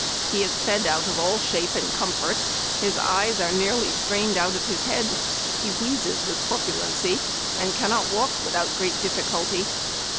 He is fed out of all shape and com fort ; his eyes are nearly strained out of his head ; he wheezes with corpulency, and cannot walk without great difficulty.